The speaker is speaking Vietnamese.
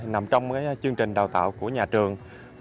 nằm trong chương trình đào tạo của nhà trường